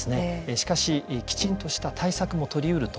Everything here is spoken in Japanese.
しかしきちんとした対策も取りうると。